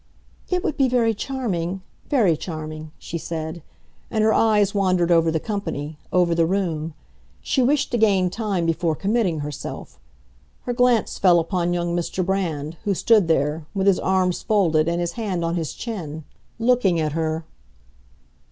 "It would be very charming—very charming," she said; and her eyes wandered over the company, over the room. She wished to gain time before committing herself. Her glance fell upon young Mr. Brand, who stood there, with his arms folded and his hand on his chin, looking at her.